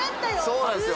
そうなんですよ